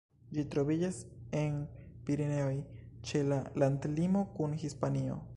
Ĝi troviĝas en Pireneoj, ĉe la landlimo kun Hispanio.